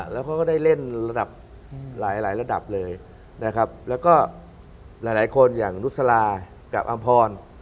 แล้วเขาก็ได้เล่นระดับหลายระดับเลยนะครับแล้วก็หลายคนอย่างนุษลากับอำพร